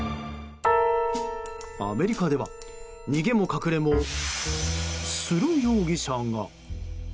アメリカでは逃げも隠れもする容疑者が。